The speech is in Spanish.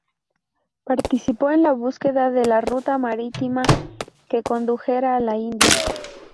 Participó en la búsqueda de la ruta marítima que condujera a la India.